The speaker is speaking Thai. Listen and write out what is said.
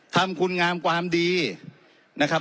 ทำคุณงามความดีนะครับ